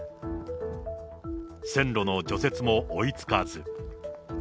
線路の除雪も追いつかず。